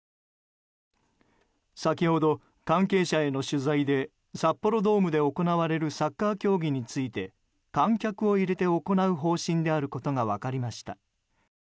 先ほど、関係者への取材で札幌ドームで行われるサッカー競技について観客を入れて行う方針であることが分かりました。